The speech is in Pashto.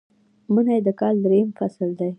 منی د کال دریم فصل دی